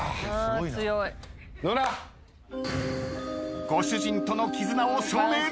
ご主人との絆を証明できず。